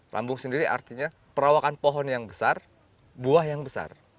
lambung sendiri artinya perawakan pohon yang besar buah yang besar